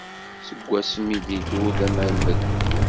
Seg wasmi i d-ilul d amermed.